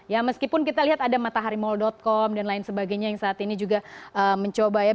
ya meskipun kita lihat ada mataharimall com dan lain sebagainya yang saat ini juga mencoba ya